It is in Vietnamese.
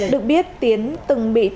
được biết tiến từng bị bắt